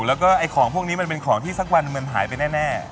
แล้วก็ไอ้ของพวกนี้มันเป็นของที่สักวันมันหายไปแน่